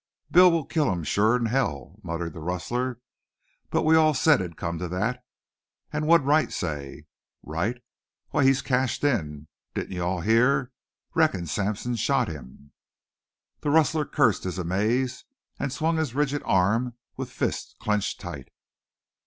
"Bill'll kill him surer 'n hell," muttered the rustler. "But we all said it'd come to thet. An' what'd Wright say?" "Wright! Why, he's cashed in. Didn't you all hear? Reckon Sampson shot him." The rustler cursed his amaze and swung his rigid arm with fist clenched tight.